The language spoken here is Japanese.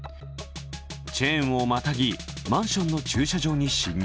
チェーンをまたぎ、マンションの駐車場に侵入。